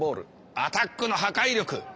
アタックの破壊力。